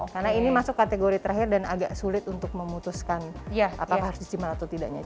karena ini masuk kategori terakhir dan agak sulit untuk memutuskan apakah harus disisihkan atau tidak